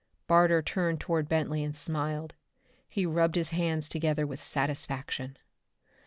Barter turned toward Bentley and smiled. He rubbed his hands together with satisfaction.